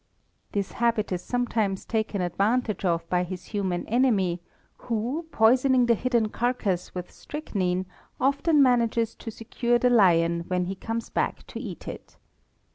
This habit is sometimes taken advantage of by his human enemy, who, poisoning the hidden carcass with strychnine, often manages to secure the lion when he comes back to eat it.